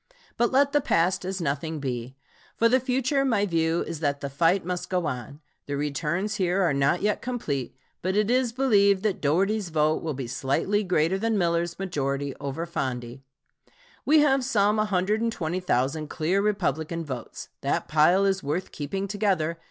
But let the past as nothing be. For the future my view is that the fight must go on. The returns here are not yet complete, but it is believed that Dougherty's vote will be slightly greater than Miller's majority over Fondey. We have some 120,000 clear Republican votes. That pile is worth keeping together.